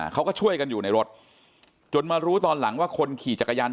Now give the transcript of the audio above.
เขาก็ช่วยกันอยู่ในรถจนมารู้ตอนหลังว่าคนขี่จักรยาน